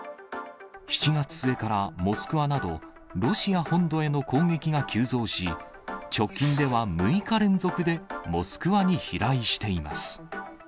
７月末からモスクワなど、ロシア本土への攻撃が急増し、直近では６日連続でモスクワに飛来しています。